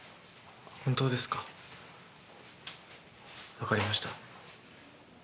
分かりました。